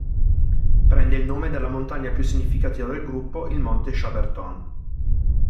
Prende il nome dalla montagna più significativa del gruppo, il Monte Chaberton.